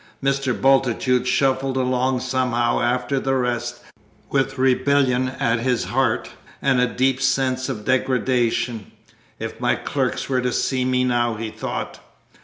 Mr. Bultitude shuffled along somehow after the rest, with rebellion at his heart and a deep sense of degradation. "If my clerks were to see me now!" he thought.